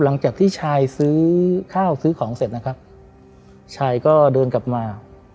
หลังจากที่ชายซื้อข้าวซื้อของเสร็จนะครับชายก็เดินกลับมา